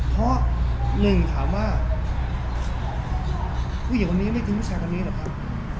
เพราะหนึ่งถามว่าผู้หญิงคนนี้ไม่ทิ้งผู้ชายคนนี้เหรอครับ